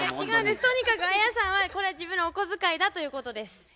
違うんですとにかくアヤさんはこれは自分のお小遣いだということです。